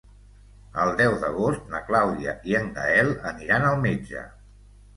El deu d'agost na Clàudia i en Gaël aniran al metge.